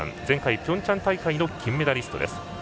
前回ピョンチャン大会の金メダリストです。